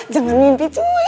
jangan mimpi cuy